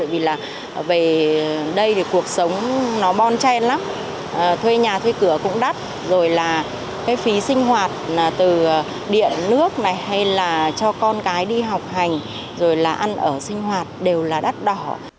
vì là về đây thì cuộc sống nó bon chen lắm thuê nhà thuê cửa cũng đắt rồi là cái phí sinh hoạt là từ điện nước này hay là cho con cái đi học hành rồi là ăn ở sinh hoạt đều là đắt đỏ